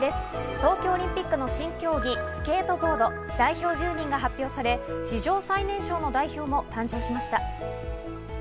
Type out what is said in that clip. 東京オリンピックの新競技スケートボード代表１０人が発表され、史上最年少の代表も誕生しました。